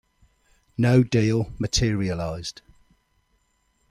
No deal materialized.